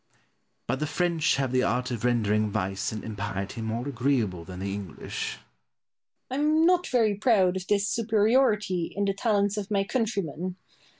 But the French have the art of rendering vice and impiety more agreeable than the English. Boileau. I am not very proud of this superiority in the talents of my countrymen.